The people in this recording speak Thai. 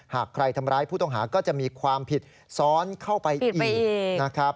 หากใครทำร้ายผู้ต้องหาก็จะมีความผิดซ้อนเข้าไปอีกนะครับ